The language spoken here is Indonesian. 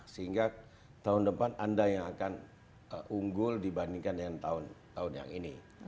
sehingga tahun depan anda yang akan unggul dibandingkan yang tahun tahun yang ini